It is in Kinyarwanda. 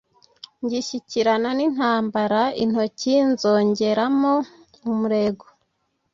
Ngishyikirana n'intambara intoki nzongeramo umurego,